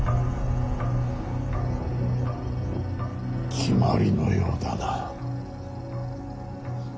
決まりのようだな。